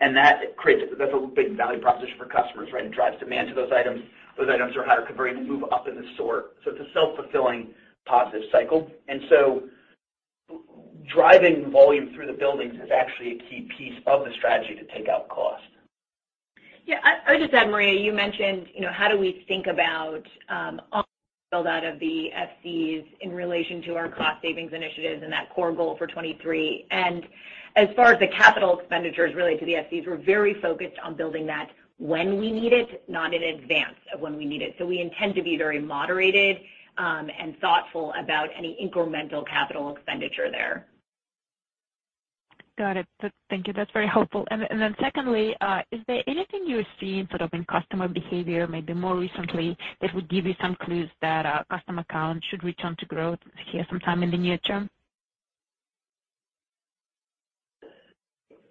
That creates, that's a big value proposition for customers, right? It drives demand to those items. Those items are higher converting, move up in the store. It's a self-fulfilling positive cycle. Driving volume through the buildings is actually a key piece of the strategy to take out cost. Yeah. I'll just add, Maria, you mentioned, you know, how do we think about and build out of the FCs in relation to our cost savings initiatives and that core goal for 2023. As far as the capital expenditures related to the FCs, we're very focused on building that when we need it, not in advance of when we need it. We intend to be very moderated and thoughtful about any incremental capital expenditure there. Got it. Thank you. That's very helpful. secondly, is there anything you're seeing sort of in customer behavior maybe more recently that would give you some clues that customer count should return to growth here sometime in the near term?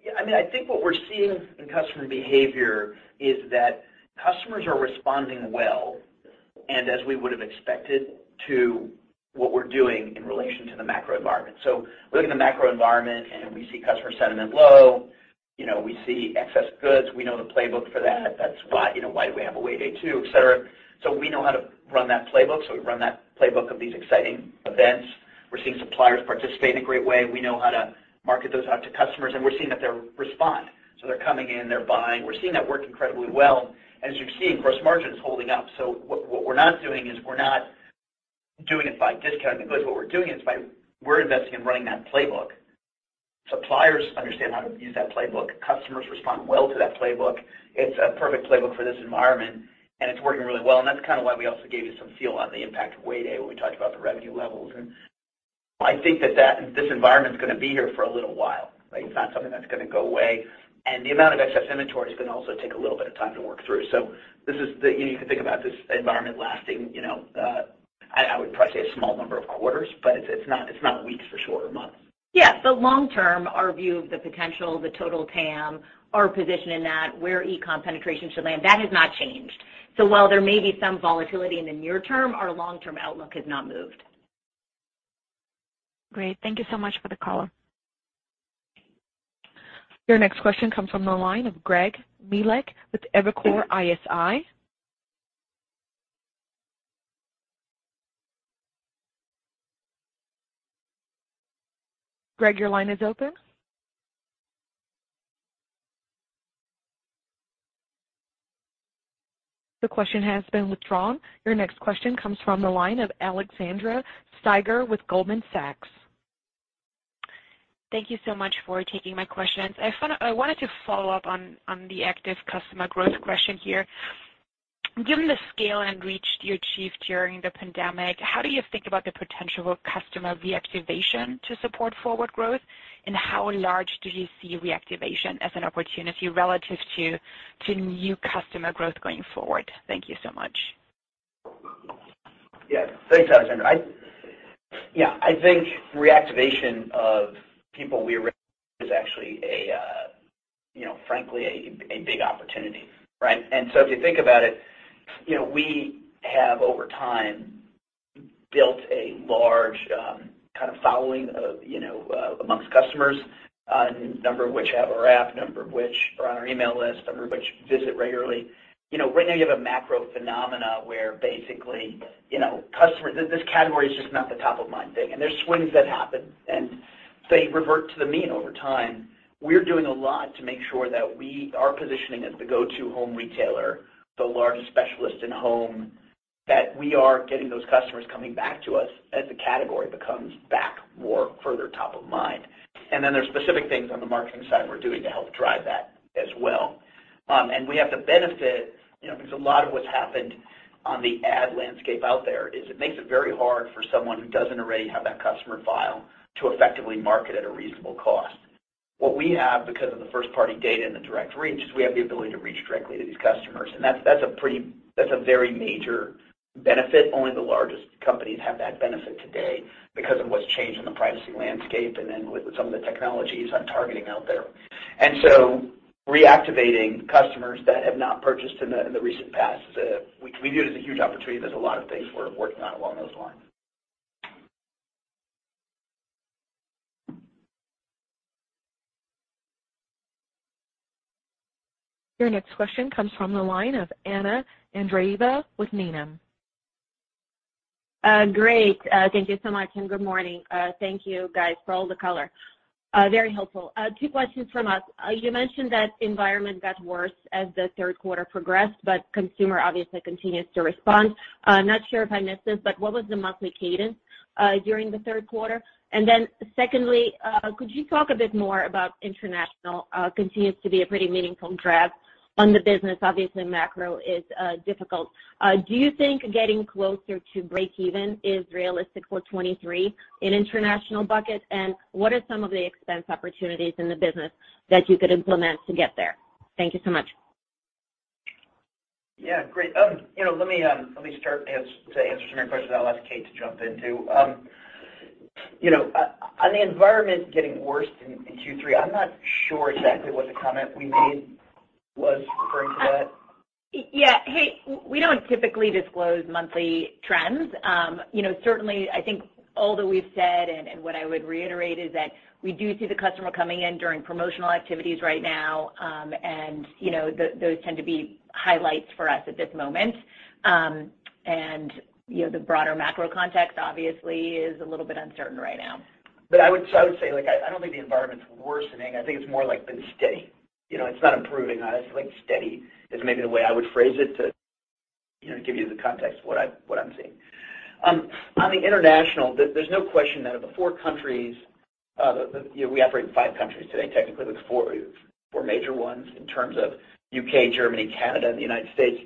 Yeah, I mean, I think what we're seeing in customer behavior is that customers are responding well, and as we would have expected, to what we're doing in relation to the macro environment. Looking at the macro environment, and we see customer sentiment low, you know, we see excess goods, we know the playbook for that. That's why, you know, why do we have a Way Day 2, etc. We know how to run that playbook. We run that playbook of these exciting events. We're seeing suppliers participate in a great way. We know how to market those out to customers, and we're seeing that they respond. They're coming in, they're buying. We're seeing that work incredibly well. As you've seen, gross margin is holding up. What we're not doing is we're not doing it by discounting goods. What we're doing is we're investing in running that playbook. Suppliers understand how to use that playbook. Customers respond well to that playbook. It's a perfect playbook for this environment, and it's working really well. That's kind of why we also gave you some feel on the impact of Way Day when we talked about the revenue levels. I think that this environment is gonna be here for a little while, right? It's not something that's gonna go away. The amount of excess inventory is gonna also take a little bit of time to work through. You know, you can think about this environment lasting, you know, I would probably say a small number of quarters, but it's not weeks for sure or months. Yes. Long term, our view of the potential, the total TAM, our position in that, where e-com penetration should land, that has not changed. While there may be some volatility in the near term, our long-term outlook has not moved. Great. Thank you so much for the color. Your next question comes from the line of Greg Melich with Evercore ISI. Greg, your line is open. The question has been withdrawn. Your next question comes from the line of Alexandra Steiger with Goldman Sachs. Thank you so much for taking my questions. I wanted to follow up on the active customer growth question here. Given the scale and reach you achieved during the pandemic, how do you think about the potential customer reactivation to support forward growth? How large do you see reactivation as an opportunity relative to new customer growth going forward? Thank you so much. Yeah. Thanks, Alexandra. Yeah, I think reactivation of people we already have is actually frankly a big opportunity, right? If you think about it, we have over time built a large kind of following among customers, a number of which have our app, a number of which are on our email list, a number of which visit regularly. Right now you have a macro phenomena where basically this category is just not the top of mind thing, and there's swings that happen, and they revert to the mean over time. We're doing a lot to make sure that we are positioning as the go-to home retailer, the largest specialist in home, that we are getting those customers coming back to us as the category becomes more top of mind. There's specific things on the marketing side we're doing to help drive that as well. We have the benefit, you know, because a lot of what's happened on the ad landscape out there is it makes it very hard for someone who doesn't already have that customer file to effectively market at a reasonable cost. What we have because of the first-party data and the direct reach is we have the ability to reach directly to these customers, and that's a very major benefit. Only the largest companies have that benefit today because of what's changed in the privacy landscape and then with some of the technologies on targeting out there. Reactivating customers that have not purchased in the recent past, we view it as a huge opportunity. There's a lot of things we're working on along those lines. Your next question comes from the line of Anna Andreeva with Needham. Great. Thank you so much, and good morning. Thank you guys for all the color. Very helpful. Two questions from us. You mentioned that environment got worse as the third quarter progressed, but consumer obviously continues to respond. Not sure if I missed this, but what was the monthly cadence during the third quarter? And then secondly, could you talk a bit more about international, continues to be a pretty meaningful drag on the business. Obviously, macro is difficult. Do you think getting closer to breakeven is realistic for 2023 in international bucket? And what are some of the expense opportunities in the business that you could implement to get there? Thank you so much. Yeah, great. You know, let me start answering your question, and I'll ask Kate to jump in, too. You know, on the environment getting worse in Q3, I'm not sure exactly what the comment we made was referring to that. Yeah. Hey, we don't typically disclose monthly trends. You know, certainly, I think all that we've said and what I would reiterate is that we do see the customer coming in during promotional activities right now, and you know, those tend to be highlights for us at this moment. You know, the broader macro context obviously is a little bit uncertain right now. I would say, like, I don't think the environment's worsening. I think it's more like been steady. You know, it's not improving. Honestly, like, steady is maybe the way I would phrase it to, you know, give you the context of what I'm seeing. On the international, there's no question that of the four countries, you know, we operate in five countries today, technically, but four major ones in terms of U.K., Germany, Canada, and the United States,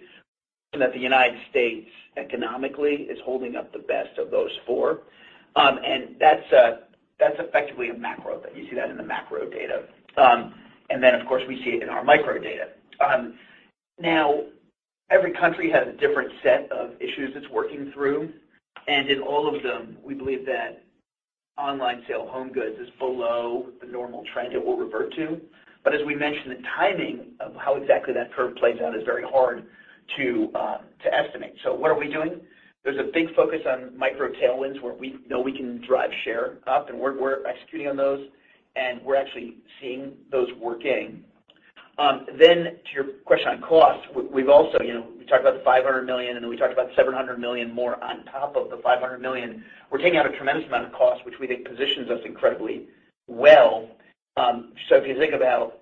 and that the United States economically is holding up the best of those four. And that's effectively a macro thing. You see that in the macro data. And then, of course, we see it in our micro data. Now every country has a different set of issues it's working through, and in all of them, we believe that online sales of home goods is below the normal trend it will revert to. But as we mentioned, the timing of how exactly that curve plays out is very hard to estimate. What are we doing? There's a big focus on micro tailwinds where we know we can drive share up, and we're executing on those, and we're actually seeing those working. To your question on cost, we've also, you know, we talked about the $500 million, and then we talked about $700 million more on top of the $500 million. We're taking out a tremendous amount of cost, which we think positions us incredibly well. If you think about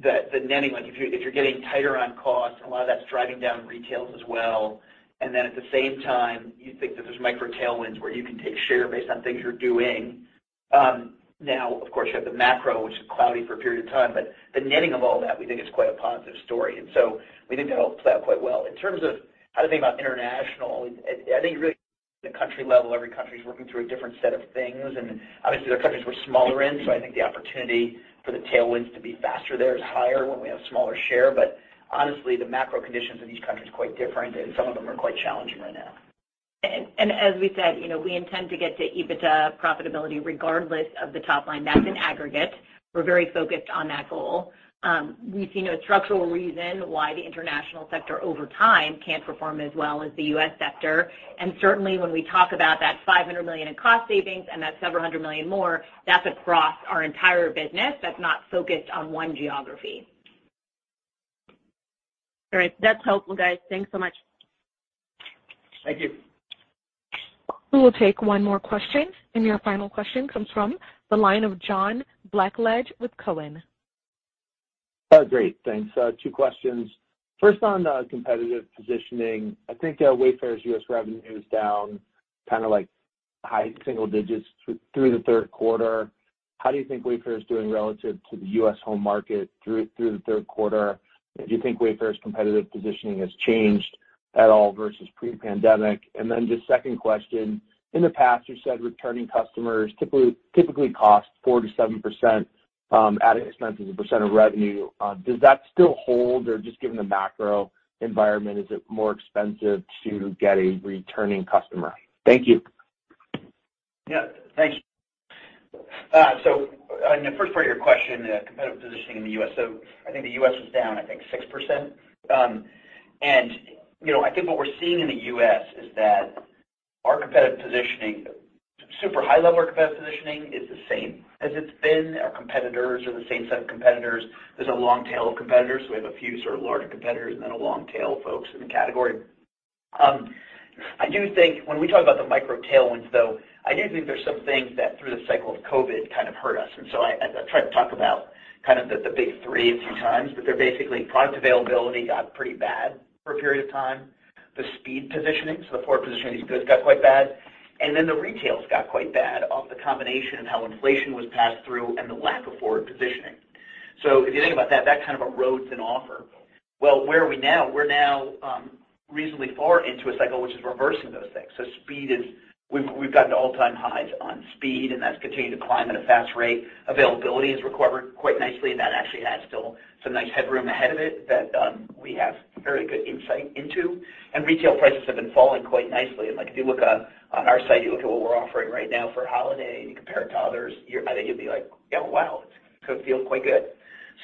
the netting, like if you're getting tighter on cost and a lot of that's driving down retails as well, and then at the same time, you think that there's micro tailwinds where you can take share based on things you're doing, now, of course, you have the macro, which is cloudy for a period of time. The netting of all that we think is quite a positive story. We think it all plays out quite well. In terms of how to think about international, I think really at the country level, every country's working through a different set of things, and obviously they're countries we're smaller in, so I think the opportunity for the tailwinds to be faster there is higher when we have smaller share. Honestly, the macro conditions of each country is quite different, and some of them are quite challenging right now. As we said, you know, we intend to get to EBITDA profitability regardless of the top line. That's in aggregate. We're very focused on that goal. We see no structural reason why the international sector over time can't perform as well as the U.S. sector. Certainly, when we talk about that $500 million in cost savings and that $700 million more, that's across our entire business. That's not focused on one geography. All right. That's helpful, guys. Thanks so much. Thank you. We will take one more question, and your final question comes from the line of John Blackledge with Cowen. Great. Thanks. Two questions. First, on competitive positioning. I think Wayfair's U.S. revenue is down kind of like high-single digits through the third quarter. How do you think Wayfair is doing relative to the U.S. home market through the third quarter? Do you think Wayfair's competitive positioning has changed at all versus pre-pandemic? Just second question, in the past, you said returning customers typically cost 4%-7% ad expenses as a percent of revenue. Does that still hold, or just given the macro environment, is it more expensive to get a returning customer? Thank you. Yeah. Thanks. On the first part of your question, competitive positioning in the U.S. I think the U.S. was down, I think 6%. You know, I think what we're seeing in the U.S. is that our competitive positioning, super high level our competitive positioning is the same as it's been. Our competitors are the same set of competitors. There's a long tail of competitors. We have a few sort of larger competitors and then a long tail of folks in the category. I do think when we talk about the macro headwinds, though, I do think there's some things that through the cycle of COVID kind of hurt us. I tried to talk about kind of the big three a few times, but they're basically product availability got pretty bad for a period of time. The speed positioning, so the forward positioning of these goods got quite bad. The retails got quite bad off the combination of how inflation was passed through and the lack of forward positioning. If you think about that kind of erodes an offer. Well, where are we now? We're now reasonably far into a cycle which is reversing those things. Speed is. We've gotten to all-time highs on speed, and that's continuing to climb at a fast rate. Availability has recovered quite nicely, and that actually has still some nice headroom ahead of it that we have very good insight into. Retail prices have been falling quite nicely. Like, if you look on our site, you look at what we're offering right now for holiday and you compare it to others, I think you'll be like, "Yeah. Wow, it's gonna feel quite good."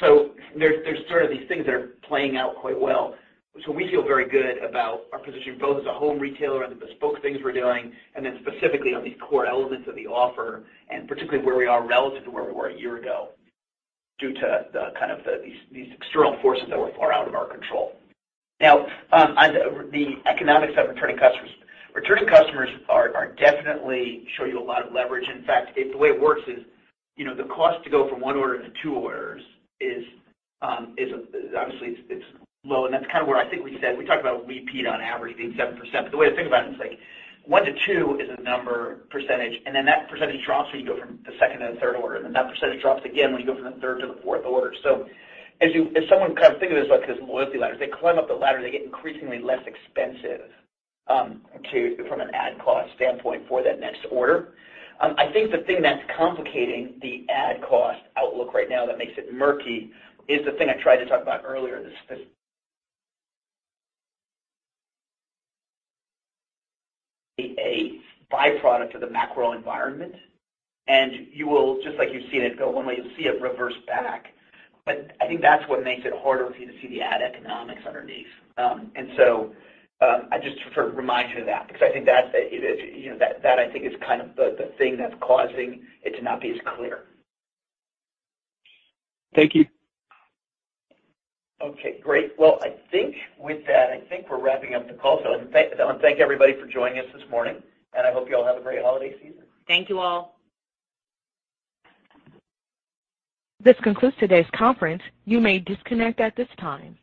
There's sort of these things that are playing out quite well. We feel very good about our position both as a home retailer and the bespoke things we're doing, and then specifically on these core elements of the offer, and particularly where we are relative to where we were a year ago due to these external forces that were far out of our control. Now, on the economics of returning customers. Returning customers are definitely show you a lot of leverage. In fact, the way it works is, you know, the cost to go from one order to two orders is obviously it's low, and that's kind of where I think we said. We talked about repeat on average being 7%. The way to think about it is like 1-2 is the number, percentage, and then that percentage drops when you go from the second to the third order, and then that percentage drops again when you go from the third to the fourth order. If someone kind of think of this like as loyalty ladders, they climb up the ladder, they get increasingly less expensive from an ad cost standpoint for that next order. I think the thing that's complicating the ad cost outlook right now that makes it murky is the thing I tried to talk about earlier. This is a byproduct of the macro environment, and you will just like you've seen it go one way, you'll see it reverse back. I think that's what makes it harder for you to see the ad economics underneath. I just sort of remind you of that because I think that's, you know, that I think is kind of the thing that's causing it to not be as clear. Thank you. Okay. Great. Well, I think with that, I think we're wrapping up the call. I wanna thank everybody for joining us this morning, and I hope you all have a great holiday season. Thank you all. This concludes today's conference. You may disconnect at this time.